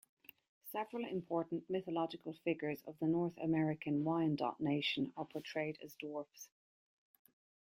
Several important mythological figures of the North American Wyandot nation are portrayed as dwarfs.